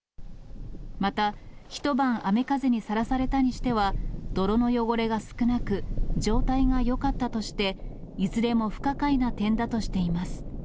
また、一晩、雨風にさらされたにしては、泥の汚れが少なく、状態がよかったとして、いずれも不可解な点だとしています。